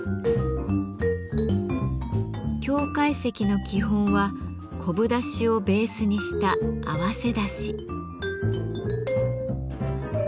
京懐石の基本は昆布だしをベースにした「合わせだし」。